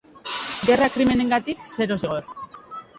Gerra krimenengatik, zero zigor.